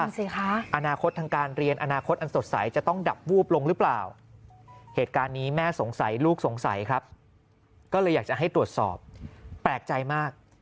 นั่นสิคะอนาคตทางการเรียนอนาคตอันสดใสจะต้องดับวูบลงหรือเปล่าเหตุการณ์นี้แม่สงสัยลูกสงสัยครับก็เลยอยากจะให้ตรวจสอบแปลกใจมาก